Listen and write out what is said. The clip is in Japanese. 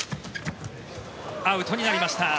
アウトになりました。